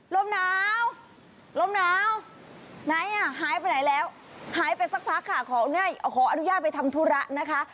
ลมหนาวลมหนาวไหนอ่ะหายไปไหนแล้วหายไปสักพักค่ะขออนุญาตไปทำธุระนะคะ